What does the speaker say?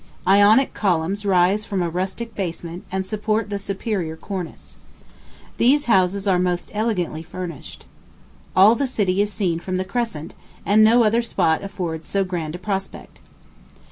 Ionic columns rise from a rustic basement, and support the superior cornice. These houses are most elegantly finished. All the city is seen from the crescent, and no other spot affords so grand a prospect.